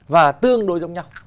và tương đối giống nhau